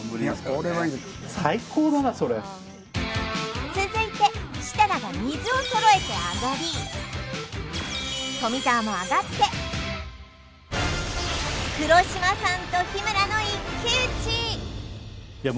これは最高だなそれ続いて設楽が水を揃えてあがり富澤もあがって黒島さんと日村の一騎討ちいや